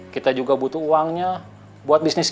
kita juga butuh uangnya buat bisnis